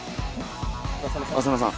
浅野さん。